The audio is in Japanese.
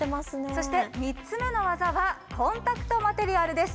そして３つ目の技はコンタクトマテリアルです。